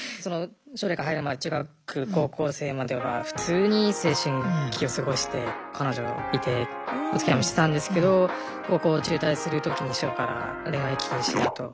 奨励会に入る前中学高校生までは普通に青春期を過ごして彼女いておつきあいもしてたんですけど高校を中退する時に師匠から「恋愛禁止だ！」と。